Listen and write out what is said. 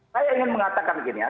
saya ingin mengatakan begini ya